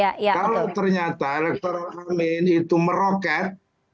kalau ternyata elektoral amin itu meroket